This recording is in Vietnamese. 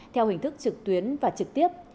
theo hình thức trực tuyến và trực tiếp